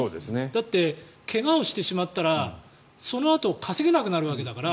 だって怪我してしまったらそのあと稼げなくなるわけだから。